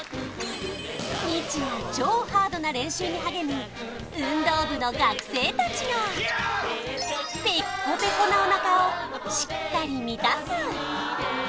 日夜超ハードな練習に励む運動部の学生たちがペッコペコなお腹をしっかり満たす！